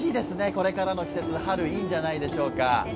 これからの季節、春、いいんじゃないでしょうか。